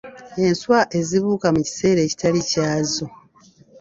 Enswa ezibuuka mu kiseera ekitali kyazo.